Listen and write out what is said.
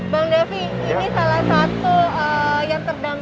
bang devi ini salah satu yang terdampak pandemi